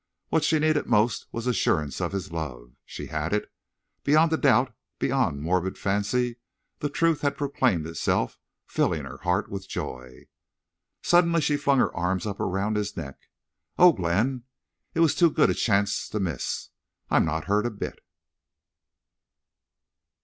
What she needed most was assurance of his love. She had it. Beyond doubt, beyond morbid fancy, the truth had proclaimed itself, filling her heart with joy. Suddenly she flung her arms up around his neck. "Oh—Glenn! It was too good a chance to miss!... I'm not hurt a bit."